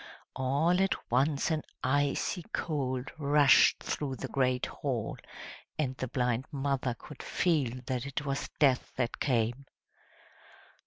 All at once an icy cold rushed through the great hall, and the blind mother could feel that it was Death that came.